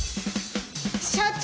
・社長！